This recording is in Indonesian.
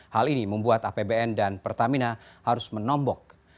hal ini membuat apbn dan pertamina harus menombok